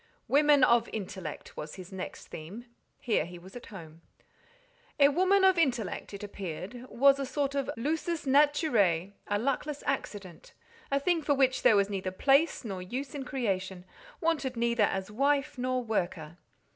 "Women of intellect" was his next theme: here he was at home. A "woman of intellect," it appeared, was a sort of "lusus naturae," a luckless accident, a thing for which there was neither place nor use in creation, wanted neither as wife nor worker.